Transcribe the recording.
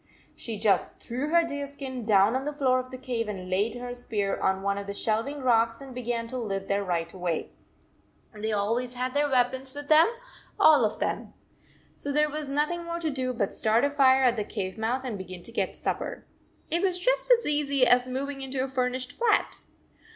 She just threw her deer skin down on the floor of the cave and laid her spear on one of the shelving rocks and began to live there right away. They always had their weapons with them, all of them. So there was noth ing more to do but start a fire at the cave mouth and begin to get supper. It was just as easy as moving into a furnished flat.